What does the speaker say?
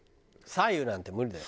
白湯なんて無理だよ。